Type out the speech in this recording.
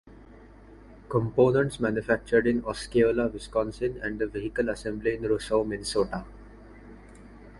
Components manufactured in Osceola, Wisconsin and the vehicle assembly in Roseau, Minnesota.